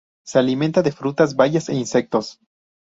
Se alimenta de frutas, bayas e insectos.